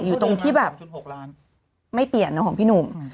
อยู่ตรงที่แบบ๑๖ล้านไม่เปลี่ยนนะของพี่หนุ่ม